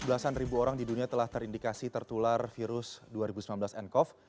belasan ribu orang di dunia telah terindikasi tertular virus dua ribu sembilan belas ncov